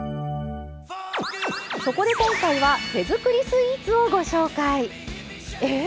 そこで、今回は手づくりスイーツをご紹介！え！？